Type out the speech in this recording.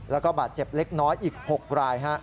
แล้วก็บาดเจ็บเล็กน้อยอีก๖ราย